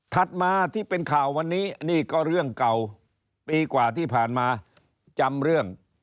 มาที่เป็นข่าววันนี้นี่ก็เรื่องเก่าปีกว่าที่ผ่านมาจำเรื่อง